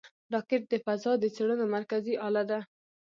راکټ د فضا د څېړنو مرکزي اله ده